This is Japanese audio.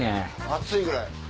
暑いぐらい。